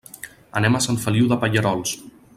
Anem a Sant Feliu de Pallerols.